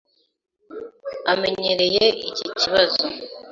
Amenyereye iki kibazo.